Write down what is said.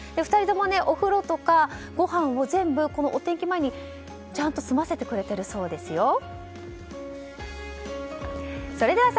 ２人ともお風呂とかごはんを全部、お天気前にちゃんと済ませてくれてるそうですよ。